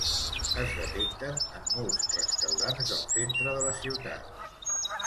es detecten en molts restaurants del centre de la ciutat